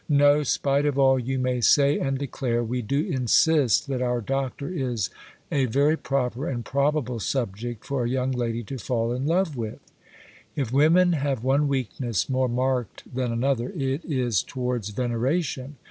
No,—spite of all you may say and declare, we do insist that our Doctor is a very proper and probable subject for a young lady to fall in love with. If women have one weakness more marked than another, it is towards veneration.